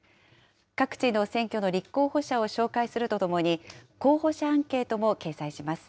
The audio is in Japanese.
各地の選挙の立候補者を紹介するとともに、候補者アンケートも掲載します。